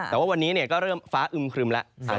แต่วันนี้ก็เลยฟ้าอึมครึมซักวัน